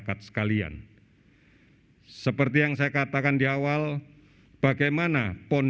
keneh karena sebenarnya ada banyak cerita inilah kita ishg wors ngok